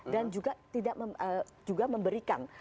dan juga memberikan